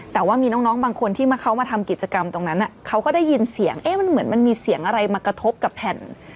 แต่ว่ามีน้องบางคนที่เขามาทำกิจกรรมตรงนั้นเขาก็ได้ยินเสียงเอ๊ะมันเหมือนมันมีเสียงอะไรมากระทบกับแผ่น